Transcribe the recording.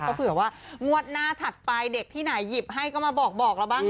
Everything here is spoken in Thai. ก็เผื่อว่างวดหน้าถัดไปเด็กที่ไหนหยิบให้ก็มาบอกเราบ้าง